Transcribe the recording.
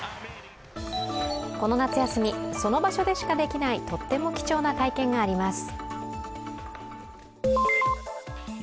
この夏休み、その場所でしかできないとっても貴重な体験があります。